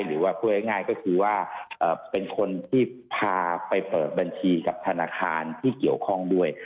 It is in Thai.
หรือว่าพูดง่ายก็คือว่าเป็นคนที่พาไปเปิดบัญชีกับธนาคารที่เกี่ยวข้องด้วย